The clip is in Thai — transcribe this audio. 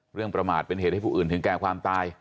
ประมาทเป็นเหตุให้ผู้อื่นถึงแก่ความตาย